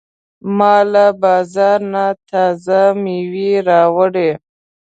ما له بازار نه تازه مېوې راوړې.